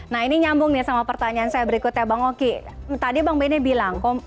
nah ini nyambung nih sama pertanyaan saya berikutnya bang oki tadi bang benny bilang